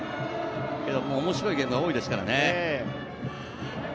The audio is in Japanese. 面白いゲームが多いですからね。